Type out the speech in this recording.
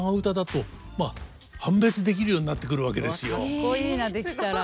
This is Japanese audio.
かっこいいなできたら。